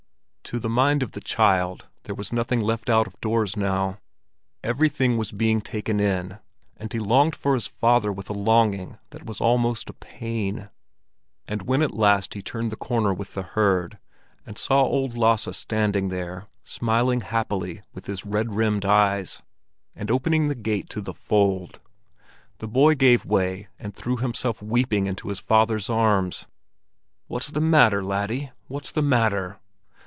To the mind of the child there was nothing left out of doors now; everything was being taken in, and he longed for his father with a longing that was almost a pain. And when at last he turned the corner with the herd, and saw old Lasse standing there, smiling happily with his red rimmed eyes, and opening the gate to the fold, the boy gave way and threw himself weeping into his father's arms. "What's the matter, laddie? What's the matter?"